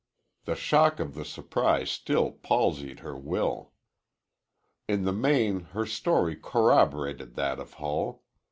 The shock of the surprise still palsied her will. In the main her story corroborated that of Hull.